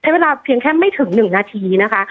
เวลาเพียงแค่ไม่ถึง๑นาทีนะคะ